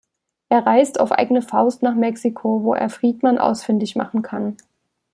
Er reist auf eigene Faust nach Mexiko, wo er Friedman ausfindig machen kann.